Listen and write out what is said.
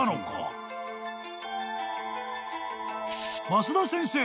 ［益田先生